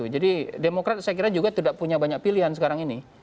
jadi demokrat saya kira juga tidak punya banyak pilihan sekarang ini